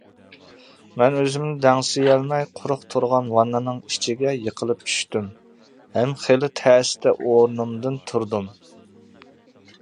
مەن ئۆزۈمنى دەڭسىيەلمەي قۇرۇق تۇرغان ۋاننىنىڭ ئىچىگە يىقىلىپ چۈشتۈم ھەم خېلى تەستە ئورنۇمدىن تۇردۇم.